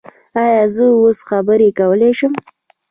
ایا زه اوس خبرې کولی شم؟